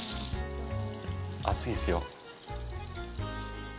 熱いですよ。